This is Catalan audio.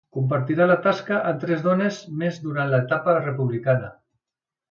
Compartirà la tasca amb tres dones més durant l’etapa republicana.